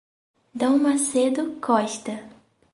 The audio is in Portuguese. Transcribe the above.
Dom Macedo Costa